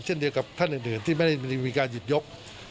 เช่นเดียวกับท่านอื่นที่ไม่ได้มีการหยิบยก